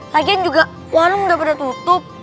lagian juga warung udah beratutup